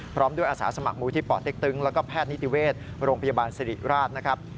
พร้อมด้วยอาสาสมัครมูลที่ป่อเต็กตึงแล้วก็แพทย์นิติเวชโรงพยาบาลสิริราชนะครับ